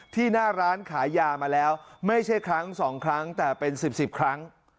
หน้าร้านขายยามาแล้วไม่ใช่ครั้งสองครั้งแต่เป็น๑๐๑๐ครั้ง